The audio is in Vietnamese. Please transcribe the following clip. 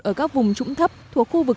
ở các vùng trũng thấp thuộc khu vực